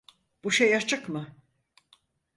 Bu şey açık mı?